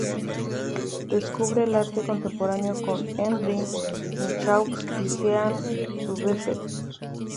Descubre el arte contemporáneo con Henri Michaux y Jean Dubuffet.